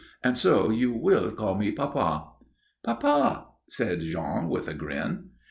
And so you will call me papa." "Papa," said Jean, with a grin.